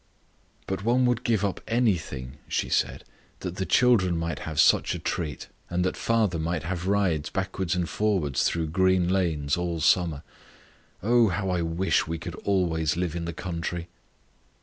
"But one would give up anything," she said, "that the children might have such a treat, and that father might have rides backwards and forwards through green lanes all summer. Oh, how I wish we could always live in the country!"